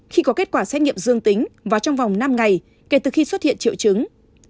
khi có kết quả xét nghiệm dương tính và trong vòng năm ngày kể từ khi xuất hiện triệu chứng